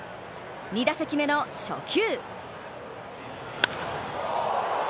２打席目の初球。